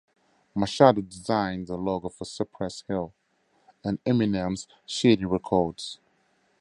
Machado designed the logo for Cypress Hill and Eminem's Shady Records.